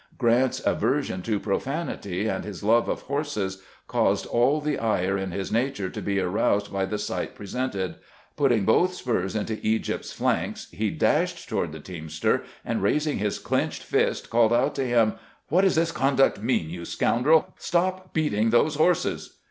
Grant's aversion to profanity and his love of horses caused all the ire in his nature to be aroused by the sight presented. Putting both spurs into " Egypt's " flanks, he dashed toward the teamster, and raising his clenched fist, called out to him :" What does this conduct mean, you scoundrel ? Stop beating those horses